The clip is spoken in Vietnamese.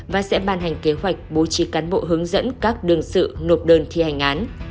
và sẽ ban hành kế hoạch bố trí cán bộ hướng dẫn các đương sự nộp đơn thi hành án